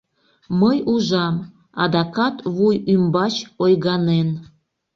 Мый ужам: адакат вуй ӱмбач, ойганен